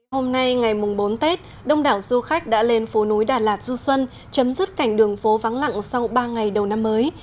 hôm nay ngày bốn tết đông đảo du khách đã lên phố núi đà lạt du xuân chấm dứt cảnh đường phố vắng lặng sau ba ngày đầu năm mới